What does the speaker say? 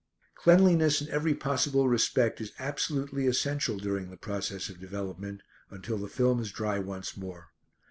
Cleanliness in every possible respect is absolutely essential during the process of development, until the film is dry once more.